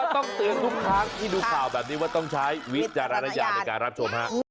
ต้องเตือนทุกครั้งที่ดูข่าวแบบนี้ว่าต้องใช้วิจารณญาณในการรับชมฮะ